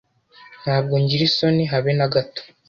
Ntabwo ngira isoni habe na gato.